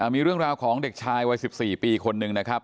มีเรื่องราวของเด็กชายวัย๑๔ปีคนหนึ่งนะครับ